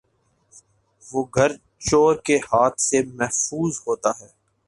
وہ گھر چورکے ہاتھ سے ممحفوظ ہوتا ہے